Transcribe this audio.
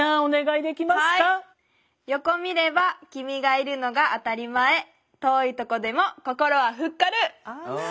「横見ればきみがいるのが当たりまえ遠いとこでも心はフッ軽」。